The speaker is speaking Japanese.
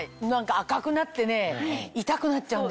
赤くなってね痛くなっちゃうんだよね。